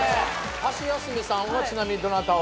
ハシヤスメさんはちなみにどなたを？